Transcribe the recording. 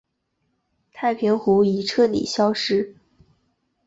太平湖已彻底消失。